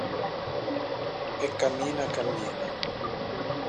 E cammina cammina.